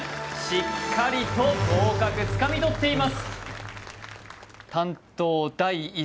しっかりと合格つかみ取っています